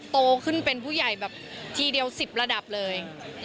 โตขึ้นเป็นผู้ใหญ่แบบทีเดียว๑๐ระดับเลย